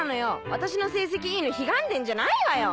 私の成績いいのひがんでんじゃないわよ！